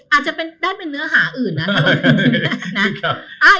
อาจจะได้เป็นเนื้อหาอื่นนะ